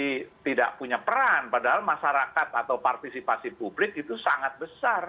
tapi tidak punya peran padahal masyarakat atau partisipasi publik itu sangat besar